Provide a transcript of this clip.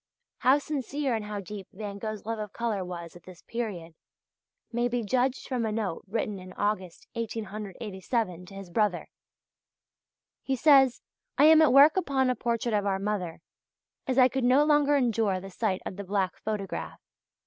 How sincere and how deep Van Gogh's love of colour was at this period may be judged from a note written in August 1887 to his brother. He says: "I am at work upon a portrait of our mother; as I could no longer endure the sight of the black photograph.